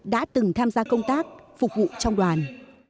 đã từng tham gia công tác phục vụ trong đoàn